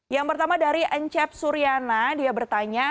yang pertama dari encep suriana dia bertanya